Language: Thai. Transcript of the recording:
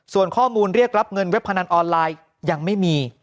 ส่วนข้อมูลเรียกรับเงินเว็บพนันออนไลน์ยังไม่มี